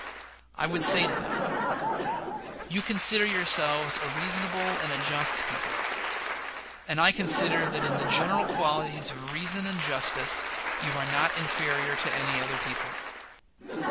I would say to them: You consider yourselves a reasonable and a just people; and I consider that in the general qualities of reason and justice you are not inferior to any other people.